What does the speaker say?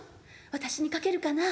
私に書けるかな。